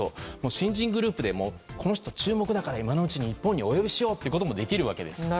新人グループでもこの人は注目だから今のうちに日本にお呼びしようということもできるわけです。